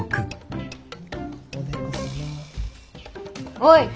・おい！